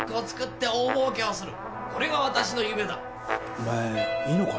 お前いいのか？